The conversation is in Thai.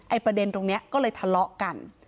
ประเด็นตรงนี้ก็เลยทะเลาะกัน